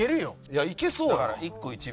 いやいけそうやな。